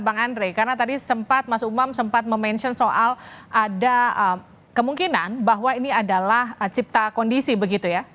bang andre karena tadi sempat mas umam sempat memention soal ada kemungkinan bahwa ini adalah cipta kondisi begitu ya